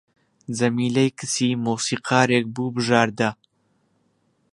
جەمیلەی کچی مۆسیقارێک بوو بژاردە